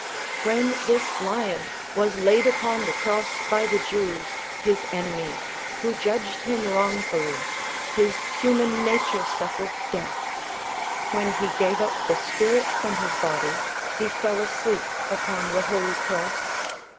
When this lion was laid upon the Cross by the Jews, his enemies, who judged him wrongfully, his human nature suffered death. When he gave up the spirit from his body, he fell asleep upon the holy cross.